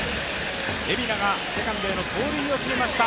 蝦名がセカンドへの盗塁を決めました。